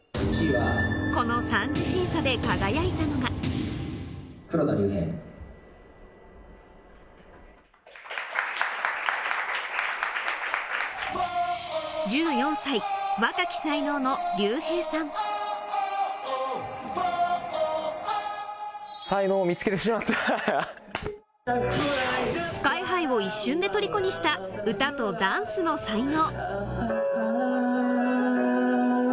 この３次審査で輝いたのが若き才能の ＳＫＹ−ＨＩ を一瞬でとりこにした歌とダンスの才能